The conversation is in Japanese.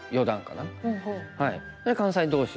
関西同士。